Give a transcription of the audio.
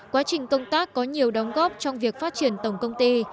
quá trình công tác có nhiều đóng góp trong việc phát triển tổng công ty